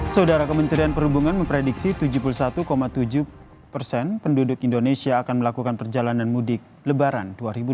saudara kementerian perhubungan memprediksi tujuh puluh satu tujuh persen penduduk indonesia akan melakukan perjalanan mudik lebaran dua ribu dua puluh